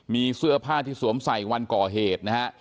มีเสื้อผ้าที่สวมใส่วันก่อเหตุนะฮะ